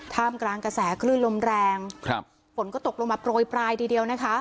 ธามกลางกระแสล้นลมแรงผลก็ตกลงปลอยปลายได้เดียวนะคะ